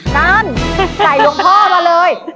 นั่นใจลงพ่อมาเลย